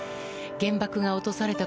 原爆が落とされた